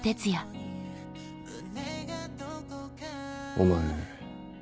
お前。